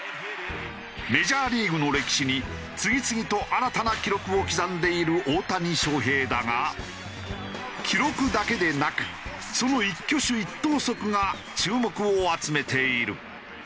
メジャーリーグの歴史に次々と新たな記録を刻んでいる大谷翔平だが記録だけでなくその一挙手一投足が注目を集めている。